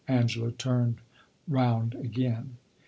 Angela turned round again.